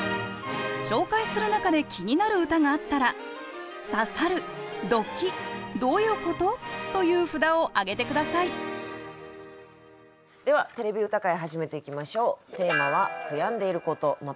紹介する中で気になる歌があったら「刺さる」「ドキッ」「どういうこと？」という札をあげて下さいでは「てれび歌会」始めていきましょう。